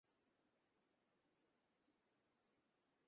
তিনি বসরা যান এবং হাসান বসরির অধীনে পড়াশোনা করেন।